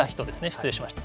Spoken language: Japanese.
失礼しました。